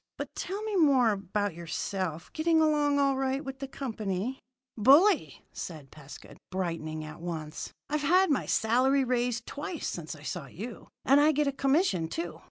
But tell me more about yourself. Getting along all right with the company?" "Bully," said Pescud, brightening at once. "I've had my salary raised twice since I saw you, and I get a commission, too.